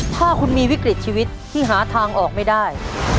ถ้าคุณมีวิกฤตชีวิตที่หาทางออกไม่ได้